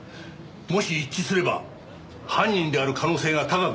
もし一致すれば犯人である可能性が高くなる。